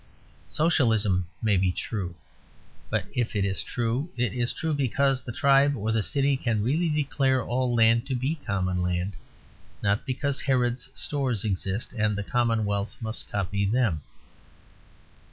Socialism may be true. But if it is true, it is true because the tribe or the city can really declare all land to be common land, not because Harrod's Stores exist and the commonwealth must copy them.